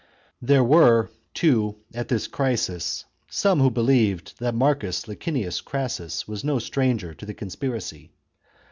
There were, too, at that crisis, some who believed that Marcus Licinius Crassus was no stranger to the conspiracy.